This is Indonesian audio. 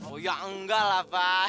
oh ya enggak lah pak